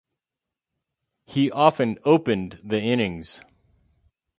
He often opened the innings.